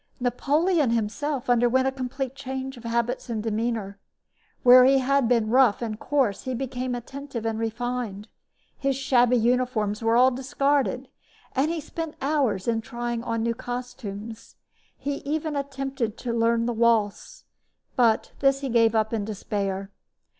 Napoleon himself underwent a complete change of habits and demeanor. Where he had been rough and coarse he became attentive and refined. His shabby uniforms were all discarded, and he spent hours in trying on new costumes. He even attempted to learn to waltz, but this he gave up in despair.